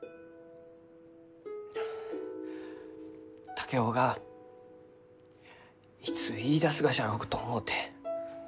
竹雄がいつ言いだすがじゃろうと思うて。